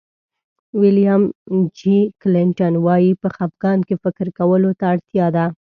ویلیام جي کلنټن وایي په خفګان کې فکر کولو ته اړتیا ده.